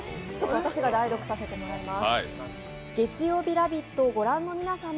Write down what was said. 私が代読させてもらいます。